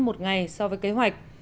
một ngày so với kế hoạch